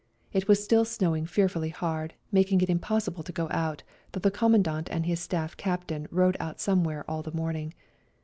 It was still snowing fearfully hard, making it impos sible to go out, though the Commandant and his Staff Captain rode out somewhere all the morning.